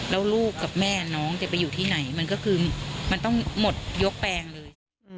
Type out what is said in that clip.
แล้วลูกกับแม่น้องจะไปอยู่ที่ไหนมันก็คือมันต้องหมดยกแปลงเลย